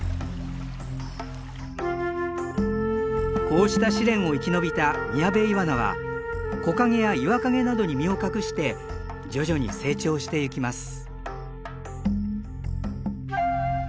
こうした試練を生き延びたミヤベイワナは木陰や岩陰などに身を隠して徐々に成長してゆきます。